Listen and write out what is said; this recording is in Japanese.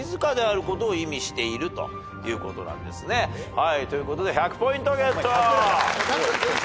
はいということで１００ポイントゲット。